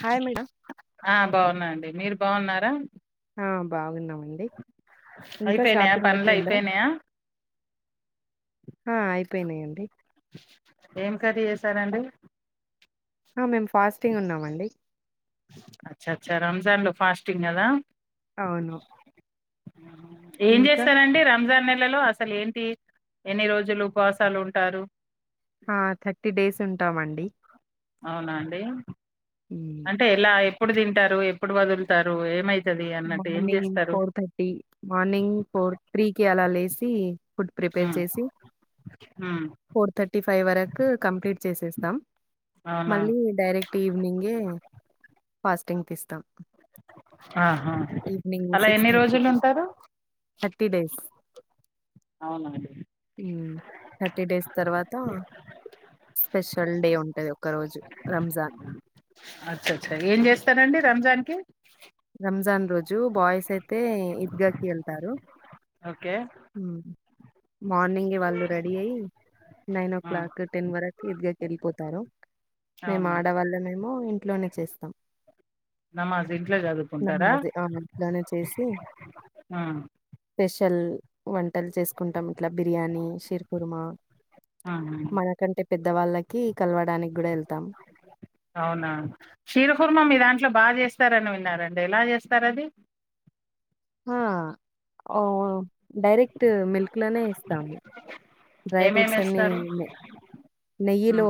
Hi madam ఆ బాగున్నాండి మీరు బాగున్నారా ఆ బాగున్నామ్ ఐపేనయా పనులు అయిపోయిందా? ఐపేనయా ఆ అయిపోయినాయండి. ఏం కర్రీ చేసారండి. మేము ఫాస్టింగ్ ఉన్నామండి. అచ్చ అచ్చా రంజాన్ లో ఫాస్టింగ్ కదా అవును ఏం ఇంకా చేస్తారండి రంజాన్ నెలలో అసలే ఏంటి ఎన్ని రోజులు ఉపవాసాలు ఉంటారు. ఆ థర్టీ డేస్ ఉంటామండి. అవునా అండి హ్మ్. అంటే ఎలా ఎప్ ఎప్పుడు తింటారు. ఎప్పుడు వదులుతారు ఏమై morning four thirty morning four త్రీకి అలా లేసి ఫుడ్ ప్రిపేర్ ఉమ్ చేసి ఉమ్ ఫోర్ థర్టీ ఫైవ్ వరకు కంప్లీట్ చేసేస్తాం. అవునా మళ్ళీ డైరెక్ట్ ఈవినింగ్ ఏ ఫాస్టింగ్ తీస్తాం. ఆహా అలా ఎన్ని రోజులు ఉంటారు. డేస్. అవునా అండి థర్టీ డేస్ తర్వాత స్పెషల్ డే ఉంటది. ఒక రోజు రంజాన్ అచ్చ అచ్చా ఏం జేస్తారండీ రంజాన్ కి రంజాన్ రోజు బాయ్స్ అయితే ఈద్గకి ఎళ్తారు. ఒకే హ్మ్. మార్నింగే వాళ్ళు రడీ అయ్ నైనో ఓ ఉమ్, క్లాక్ టెన్ వరకు ఈద్గయ్ ఎల్పోతారు. మేము అవును ఆడవాల్ల మేము ఇన్ ఇంట్లోనే చేస్తాం. నమాజ్ ఇన్ నమాజే అవును ఇంట్లోనే చేస్ ఉ అ స్పెషల్ వంట్ టల్ చేసుకుంటాం ఇట్ల బిర్యానీ సిర్కుర్మా ఉమ్ ఉమ్. మనకంటే పెద్దవాళ్ళకి కలవడానికి గుడ వెళ్తాం. అవునా స్తారని వినండి ఎలా చేస్తారు, అది అ ఓ డైరెక్ట్ మిల్క్ లోనే ఎస్తాము, డ్రై ఏమేమి ఫ్రూట్స్ అన్ని వేస్తారు నెయ్యిలో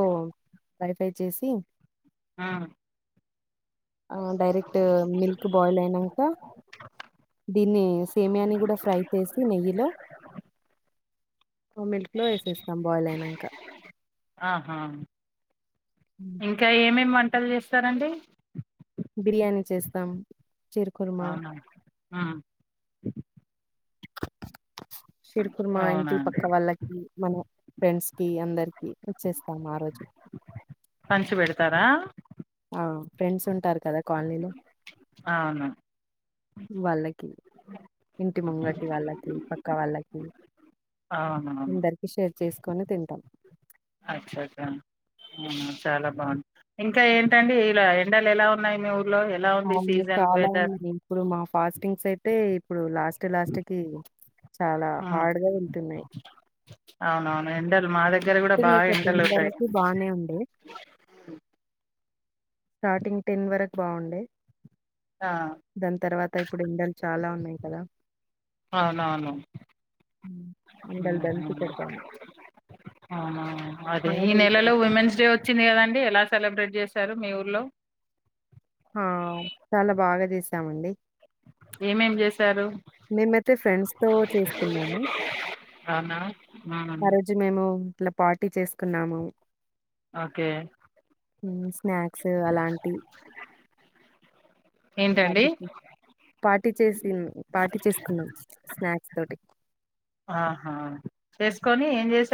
ఫ్రై ఫ్రై చేసి అ అ డైరెక్ట్ మిల్క్ బాయిల్ అయినంక దీన్ని సేమీయాని కూడా ఫ్రై చేసి నెయ్యిలో, మిల్క్ లో వేసేస్తాం, బాయిల్ అయినంక ఆహా ఉమ్. ఇంకా ఏమేమి వంట వంటలు చేస్తారండి. బిర్యానీ చేస్తాం, చీర్ కుర్మ అ చీర్ కుర్మ అవునా ఇంటి అండి పక్క వాళ్ళకి మన ఫ్రెండ్స్ కి అందరికి ఇచ్చేస్తాము, ఆ రోజు తర అ ఫ్రెండ్స్ ఉంటారు, కద కాలని లో అవును వాళ్ళకి ఇంటి ముంగటి వాళ్ళకి పక్క వాళ్ళ ఉ అవునవును అందరికి షేర్ చేస్ కొన్ని తింటాం అచ్చ చ్చ చాలా బాగుంది, ఇంక ఏంటండి ఇలా ఎండలు ఎలా ఉన్నాయి. మీఉర్ అవును చాలా ఉంది, ఇప్పుడు మా ఫాస్టింగ్స్ అయి అంటే ఇప్పుడు లాస్ట్ లాస్ట్ కి. చాలా హ్మ్. హార్డ్ గా వెళ్తున్నాయి. అవునవును ఎండలు మా దగ్గర కూడా స్టార్టింగ్ బాగా ఒక టెన్ ఎండలు ఉంటాయి. వరకు బానే ఉండే స్టార్టింగ్ టెన్ వరకు బాగుండే. ఆ, దాని తర్వాత ఇప్పుడు ఎండలు చాలా ఉన్నాయి కదా. అవునవును ఉమ్. ఎండలు దంచి ఉహు కొడతాంది అవున అదే ఈ హాడోల్కి నెలలో ఉమెన్స్ డే వచ్చింది. కదండి ఎలా సెలబ్రేట్ చేశారు మీ ఊర్లో, ఆ చాలా బాగా చేశామండి. ఎం ఎం చే మేమైతే ఫ్రెండ్స్ తో చేసుకున్నాము, అవునా ఆ రోజు నేను అట్లా పార్టీ చేసుకున్నాను. ఓకే స్నాక్స్ అలాంటి. ఏంటండి పార్టీ చేసి పార్టీ చేసుకున్నాం స్నాక్స్ తోటి ఆహా చేసుకొని ఏం చేసార్